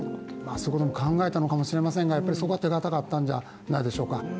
そういうことも考えたんでしょうがそこは手堅かったんじゃないでしょうか。